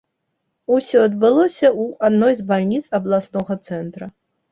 Усё адбылося ў адной з бальніц абласнога цэнтра.